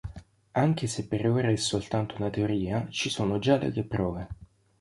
Anche se per ora è soltanto una teoria ci sono già delle prove.